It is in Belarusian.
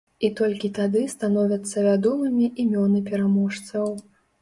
І толькі тады становяцца вядомымі імёны пераможцаў.